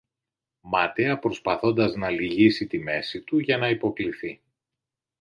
μάταια προσπαθώντας να λυγίσει τη μέση του για να υποκλιθεί.